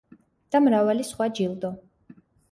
და მრავალი სხვა ჯილდო.